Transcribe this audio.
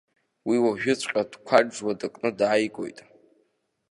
Уи уажәыҵәҟьа дқәаџуа дыкны дааигоит!